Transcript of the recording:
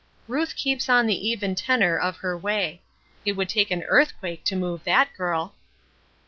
"Ruth keeps on the even tenor of her way. It would take an earthquake to move that girl.